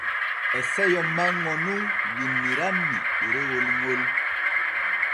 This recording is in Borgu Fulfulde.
E seyo manŋo nun winnirammi ɗerewol ŋol.